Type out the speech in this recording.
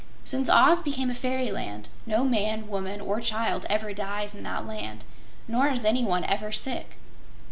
Since Oz became a fairyland, no man, woman or child ever dies in that land nor is anyone ever sick.